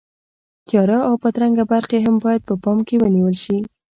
تیاره او بدرنګه برخې هم باید په پام کې ونیول شي.